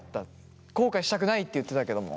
後悔したくないって言ってたけども。